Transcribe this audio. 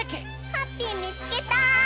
ハッピーみつけた！